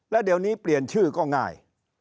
แล้วเดี๋ยวนี้เปลี่ยนชื่อก็ง่าย